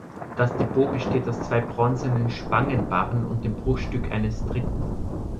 Das Depot besteht aus zwei bronzenen Spangenbarren und dem Bruchstück eines dritten.